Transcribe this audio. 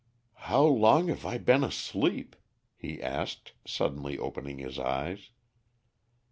"How long have I been asleep?" he asked, suddenly opening his eyes.